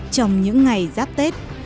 trong những ngày giáp tết